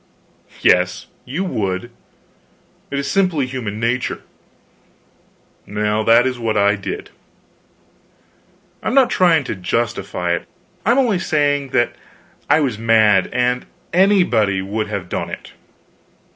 Yes, you would; it is simply human nature. Well, that is what I did. I am not trying to justify it; I'm only saying that I was mad, and anybody would have done it.